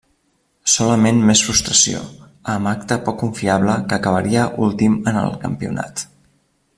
Solament més frustració, amb acte poc confiable que acabaria últim en el campionat.